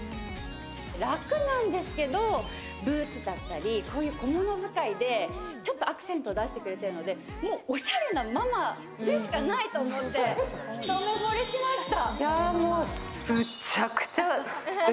楽なんですけどブーツだったり、小物使いでちょっとアクセントを出してくれてるので、もうおしゃれなママでしかないと思って、一目ぼれしました。